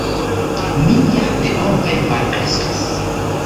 “Mi ja denove malkreskas.”